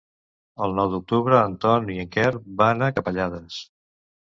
El nou d'octubre en Ton i en Quer van a Capellades.